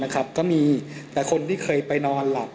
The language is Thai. ก็มีแต่คนที่เคยไปนอนหลับ